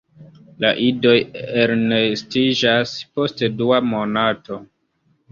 La idoj elnestiĝas post dua monato.